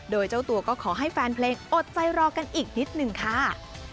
โดยเจ้าตัวก็ขอให้แฟนเพลงอดใจรอกันอีกนิดหนึ่งค่ะ